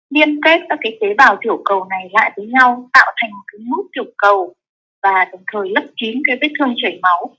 liên kết các tế bào tiểu cầu này lại với nhau tạo thành một mút tiểu cầu và đồng thời lấp kín cái bếp thương chảy máu